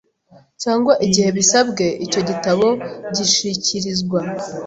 cyangwa igihe ibisabwe Icyo gitabo gishikirizwa